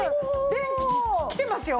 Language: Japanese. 電気きてますよ。